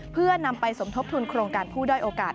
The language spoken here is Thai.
เพื่อนำไปสมทบทุนโครงการผู้ด้อยโอกาส